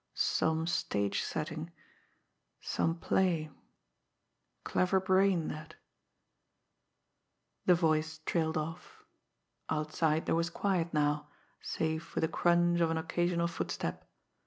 Some stage setting some play clever brain that " The voice trailed off. Outside there was quiet now, save for the crunch of an occasional footstep.